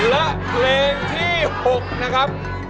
และเพลงที่๖นะครับ